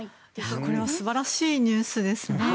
これは素晴らしいニュースですね。